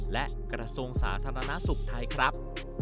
และกระทรวงสาธารณสุขไทยครับ